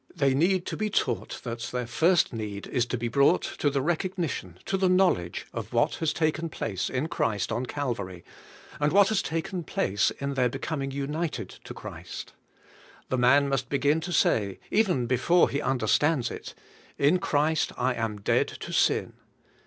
They need to be taught that their first need is to be brought to the recognition, to the knowledge, of what has taken place in Christ on Calvary, and what has taken place in their becoming united to Christ. The man must begin to say, even before he understands it, "In Christ I am dead to sin."